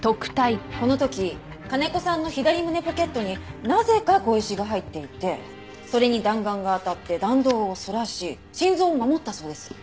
この時金子さんの左胸ポケットになぜか小石が入っていてそれに弾丸が当たって弾道をそらし心臓を守ったそうです。